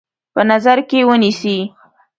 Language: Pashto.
په نظر کې ونیسي.